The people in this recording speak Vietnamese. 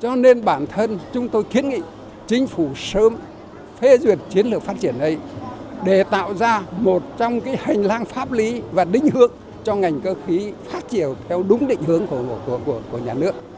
cho nên bản thân chúng tôi kiến nghị chính phủ sớm phê duyệt chiến lược phát triển đấy để tạo ra một trong hành lang pháp lý và định hướng cho ngành cơ khí phát triển theo đúng định hướng của nhà nước